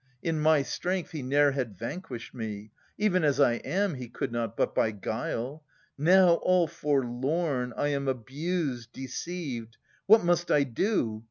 In my strength He ne'er had vanquished me. Even as I am. He could not, but by guile. Now, all forlorn, 1 am abused, deceived. What must I do?